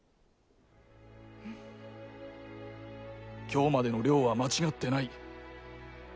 今日までの亮は間違ってない。